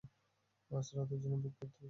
আজ রাতের জন্য বুক করতে বলেছি।